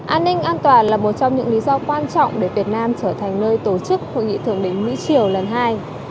an ninh an toàn là một trong những lý do quan trọng để việt nam trở thành nơi tổ chức hội nghị thượng đỉnh mỹ triều lần hai